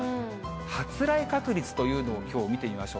発雷確率というのをきょう見てみましょう。